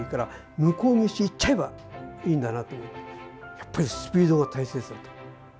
やっぱりスピードが大切だと。